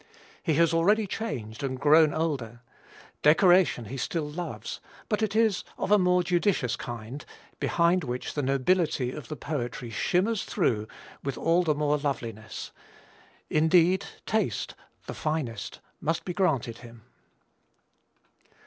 He has already changed and grown older; decoration he still loves, but it is of a more judicious kind, behind which the nobility of the poetry shimmers through with all the more loveliness: indeed, taste, the finest, must be granted him."